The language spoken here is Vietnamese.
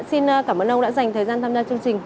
xin cảm ơn ông đã dành thời gian tham gia chương trình